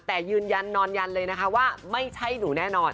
แต่ยืนยันนอนยันเลยนะคะว่าไม่ใช่หนูแน่นอน